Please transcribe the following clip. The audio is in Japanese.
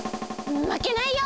まけないよ！